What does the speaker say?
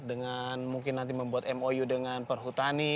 dengan mungkin nanti membuat mou dengan perhutani